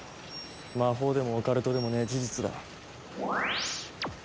魔法でもオカルトでもねえ事実だ。